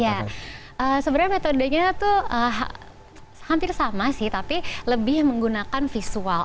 ya sebenarnya metodenya tuh hampir sama sih tapi lebih menggunakan visual